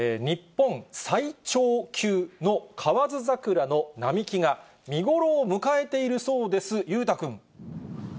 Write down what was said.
日本最長級の河津桜の並木が見頃を迎えているそうです、裕太君。